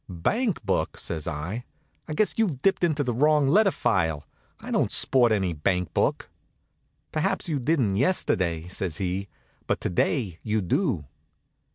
"Bank book!" says I. "I guess you've dipped into the wrong letter file. I don't sport any bank book." "Perhaps you didn't yesterday," says he, "but to day you do."